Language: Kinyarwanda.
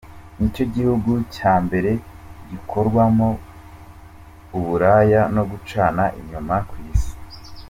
Nicyo gihugu cya mbere gikorwamo uburaya no gucana inyuma ku Isi.